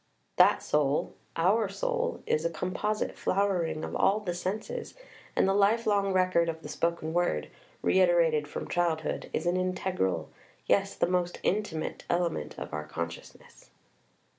That soul, our soul, is a composite flowering of all the senses, and the life long record of the spoken word [reiterated from childhood] is an integral, yes, the most intimate, element of our consciousness.